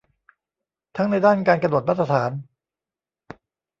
ทั้งในด้านการกำหนดมาตรฐาน